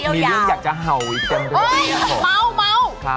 มีเรื่องอยากจะเห่าอีกกันด้วย